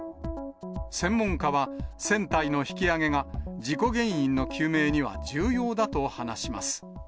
専門家は、船体の引き揚げが事故原因の究明には重要だと話します。